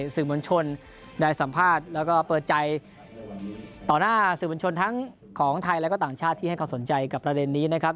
สื่อมวลชนได้สัมภาษณ์แล้วก็เปิดใจต่อหน้าสื่อบัญชนทั้งของไทยและก็ต่างชาติที่ให้เขาสนใจกับประเด็นนี้นะครับ